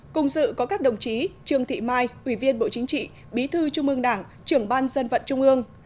cùng dự có các đồng chí trương thị mai ủy viên bộ chính trị bí thư trung ương đảng trưởng ban dân vận trung ương